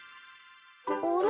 あれ？